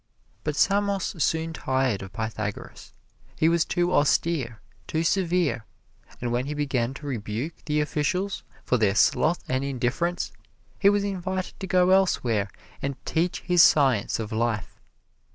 But Samos soon tired of Pythagoras. He was too austere, too severe; and when he began to rebuke the officials for their sloth and indifference, he was invited to go elsewhere and teach his science of life.